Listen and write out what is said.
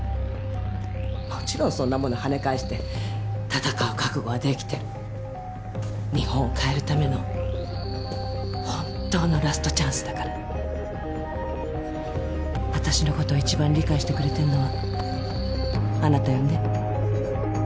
もちろんそんなもの跳ね返して戦う覚悟はできてる日本を変えるための本当のラストチャンスだから私のことを一番理解してくれてるのはあなたよね